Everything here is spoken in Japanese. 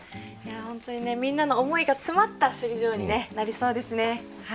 本当にねみんなの思いが詰まった首里城にねなりそうですね。